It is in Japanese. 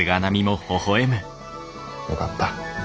よかった。